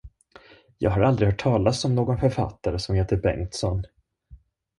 Jag har aldrig hört talas om någon författare, som heter Bengtsson.